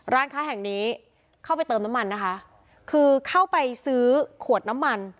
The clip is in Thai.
ร้านค้าแห่งนี้เข้าไปเติมน้ำมันนะคะคือเข้าไปซื้อขวดน้ำมัน